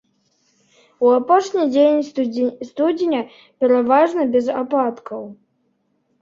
У апошні дзень студзеня пераважна без ападкаў.